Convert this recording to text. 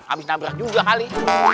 abis nabrak juga kali